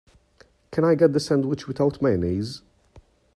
Can I get the sandwich without mayonnaise?